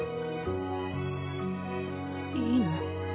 いいの？